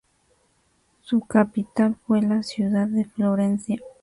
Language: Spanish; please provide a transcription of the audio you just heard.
Su capital fue la ciudad de Florencia.